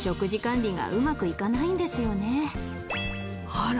あら。